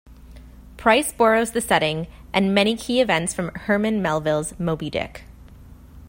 Price borrows the setting and many key events from Herman Melville's "Moby-Dick".